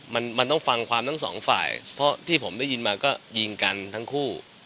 มันมันต้องฟังความทั้งสองฝ่ายเพราะที่ผมได้ยินมาก็ยิงกันทั้งคู่